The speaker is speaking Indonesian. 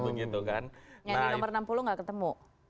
yang di nomor enam puluh nggak ketemu